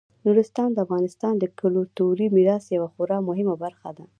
نورستان د افغانستان د کلتوري میراث یوه خورا مهمه برخه ده.